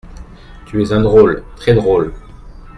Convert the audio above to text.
Tu es un drôle très-drole.